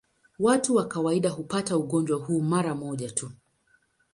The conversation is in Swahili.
Watu kwa kawaida hupata ugonjwa huu mara moja tu.